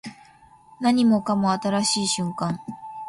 何もかも新しい瞬間